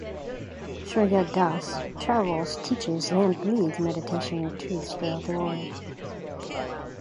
Surya Das travels, teaches and leads meditation retreats throughout the world.